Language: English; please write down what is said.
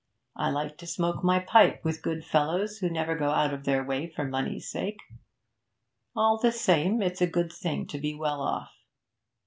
I like to smoke my pipe with good fellows who never go out of their way for money's sake. All the same, it's a good thing to be well off.